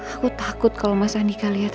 aku takut kalau mas andika lihat